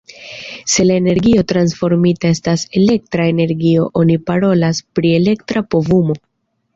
Se la energio transformita estas elektra energio oni parolas pri elektra povumo.